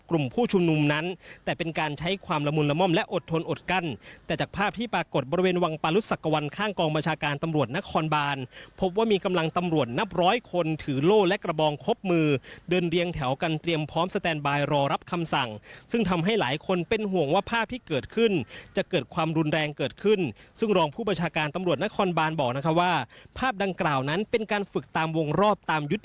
และอดทนอดกั้นแต่จากภาพที่ปรากฏบริเวณวังปรุศสักวันข้างกองประชาการตำรวจนครบานพบว่ามีกำลังตำรวจนับร้อยคนถือโล่และกระบองครบมือเดินเรียงแถวกันเตรียมพร้อมสแตนบายรอรับคำสั่งซึ่งทำให้หลายคนเป็นห่วงว่าภาพที่เกิดขึ้นจะเกิดความรุนแรงเกิดขึ้นซึ่งรองผู้ประชาการตำรวจนครบ